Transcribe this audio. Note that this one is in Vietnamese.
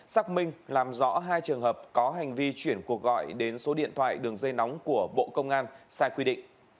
xác minh làm rõ hai trường hợp có hành vi chuyển cuộc gọi đến số điện thoại đường dây nóng của bộ công an sai quy định